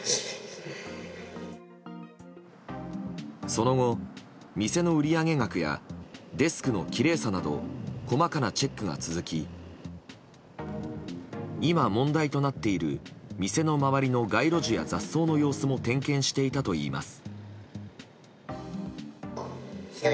その後、店の売上額やデスクのきれいさなど細かなチェックが続き今、問題となっている店の周りの街路樹や雑草の様子も点検していたといいます。